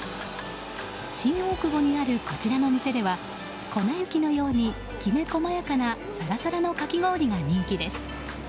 新大久保にあるこちらの店では粉雪のようにきめ細やかなサラサラのかき氷が人気です。